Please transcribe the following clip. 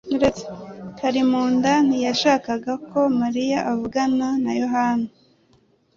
Kalimunda ntiyashakaga ko Mariya avugana na Yohana.